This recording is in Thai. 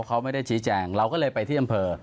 เขาไม่ได้ชี้แจงเราก็เลยไปที่อำเภอ